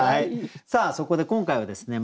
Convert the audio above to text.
さあそこで今回はですね